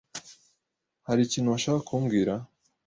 Hari ikintu washakaga kumbwira?